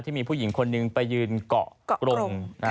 ที่มีผู้หญิงคนนึงไปยืนเกาะกลม